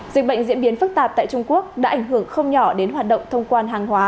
dịch bệnh diễn biến phức tạp tại trung quốc đã ảnh hưởng không nhỏ đến hoạt động thông quan hàng hóa